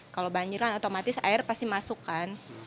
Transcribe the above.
kalau banjir kan otomatis air pasti masuk kan